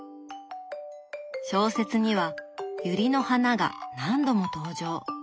小説にはゆりの花が何度も登場。